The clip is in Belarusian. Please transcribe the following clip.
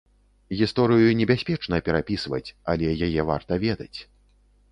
Гісторыю небяспечна перапісваць, але яе варта ведаць.